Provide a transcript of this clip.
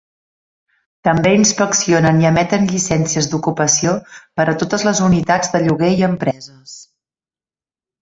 També inspeccionen i emeten llicències d'ocupació per a totes les unitats de lloguer i empreses.